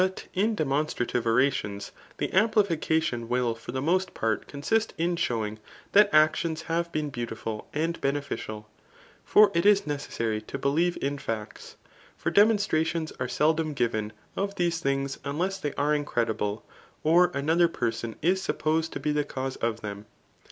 in demonstrative orations the amplification will for the most part consist in showing that actions have been beau* tiful and benefidai ; for it is necessary to believe in facts. For demonstrations are seldom given of these things un less they are incredible, or another person is supposed to be the cause of them.